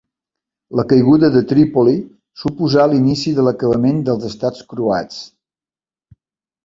La caiguda de Trípoli suposà l'inici de l'acabament dels estats croats.